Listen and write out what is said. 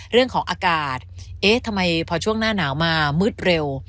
เรื่องของอากาศเอ๊ะทำไมพอช่วงหน้าหนาวมามืดเร็ว